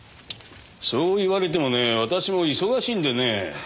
そう言われてもねえ私も忙しいんでね。